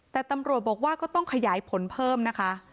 แต่ตำรวจบอกว่าก็ต้องขยายผลเพิ่มนะคะ